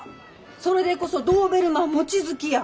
それでこそドーベルマン望月や。